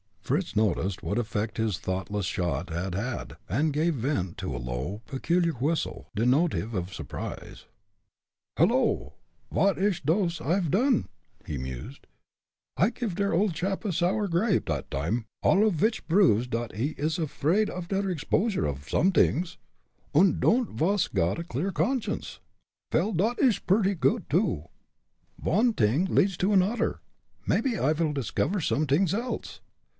Fritz noticed what effect his thoughtless shot had had, and gave vent to a low, peculiar whistle, denotive of surprise. "Hello! vot ish dose I've done?" he mused. "I give der old chap a sour grape, dot time, all of which proves dot he is 'fraid off der exposure off somedings, und don'd vas got a clear conscience. Vel, dot ish purdy goot, too. Von t'ing leads to anodder mebbe I vil discover somedings else.